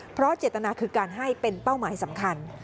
เพราะเจตนาคือการให้เป็นเป้าหมายสำคัญ